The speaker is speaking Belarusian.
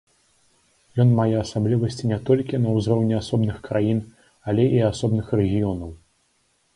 Ён мае асаблівасці не толькі на ўзроўні асобных краін, але і асобных рэгіёнаў.